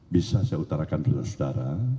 bisa saya utarakan saudara saudara